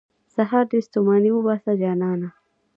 سهار دې ستوماني وباسه، جانانه.